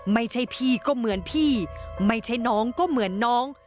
ไม่ใช่พี่ก็เหมือนพี่ไม่ใช่น้องก็เหมือนน้อง